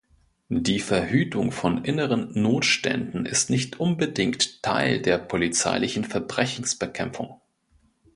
Die Verhütung von inneren Notständen ist nicht unbedingt Teil der polizeilichen Verbrechensbekämpfung.